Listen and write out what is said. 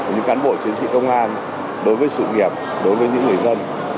những cán bộ chiến sĩ công an đối với sự nghiệp đối với những người dân